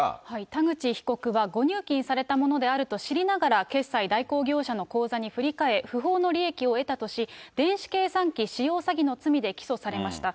田口被告は、誤入金されたものであると知りながら、決済代行業者の口座に振り替え、不法の利益を得たとし、電子計算機使用詐欺の罪で起訴されました。